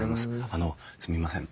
あのすみません。